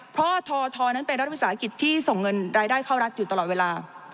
เพราะททนั้นเป็นรัฐวิสาหกิจที่ส่งเงินรายได้เข้ารัฐอยู่ตลอดเวลา